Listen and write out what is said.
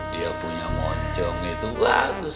dia punya moncong itu bagus